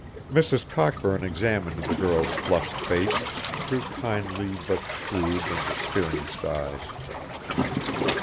Mrs. Cockburn examined the girl's flushed face through kindly but shrewd and experienced eyes.